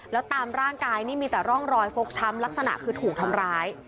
แล้วตามร่างกายนี่มีแต่ร่องรอยฟกช้ำลักษณะคือถูกทำร้าย